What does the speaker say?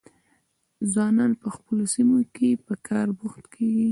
ځوانان په خپلو سیمو کې په کار بوخت کیږي.